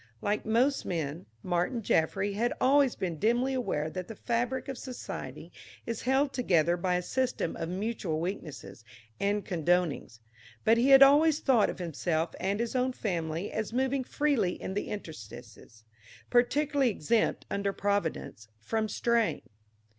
Like most men, Martin Jaffry had always been dimly aware that the fabric of society is held together by a system of mutual weaknesses and condonings, but he had always thought of himself and his own family as moving freely in the interstices, peculiarly exempt, under Providence, from strain.